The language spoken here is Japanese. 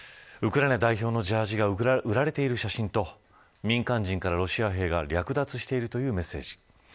ウクライナ代表のジャージが売られている写真と民間人からロシア兵が略奪しているというメッセージ。